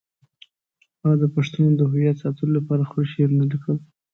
هغه د پښتنو د هویت ساتلو لپاره خپل شعرونه لیکل.